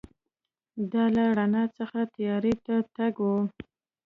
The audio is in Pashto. دا له رڼا څخه تیارې ته تګ و.